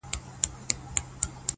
گراني شاعري ستا په خوږ ږغ كي.